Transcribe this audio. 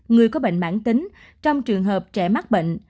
người có bệnh mãn tính trong trường hợp trẻ mắc bệnh